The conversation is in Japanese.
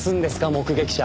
目撃者。